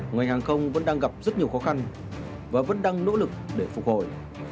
ngành hàng không vẫn đang gặp rất nhiều khó khăn và vẫn đang nỗ lực để phục hồi